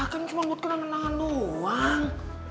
kan ini cuma buat kenangan kenangan doang